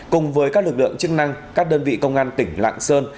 cùng với các lực lượng chức năng các đơn vị công an tỉnh lạng sơn